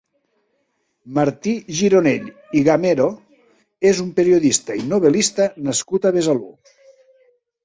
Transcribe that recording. Martí Gironell i Gamero és un periodista i novel·lista nascut a Besalú.